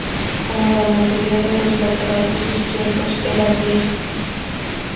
Como la mayoría de los laterales izquierdos, era diestro.